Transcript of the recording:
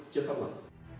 trước pháp luật